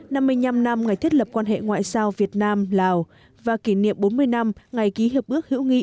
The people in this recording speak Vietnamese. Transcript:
năm mươi năm năm ngày thiết lập quan hệ ngoại giao việt nam lào và kỷ niệm bốn mươi năm ngày ký hiệp ước hữu nghị